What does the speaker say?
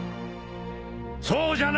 そうじゃな！